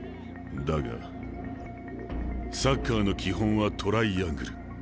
だがサッカーの基本はトライアングル。